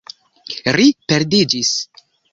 Ri perdiĝis.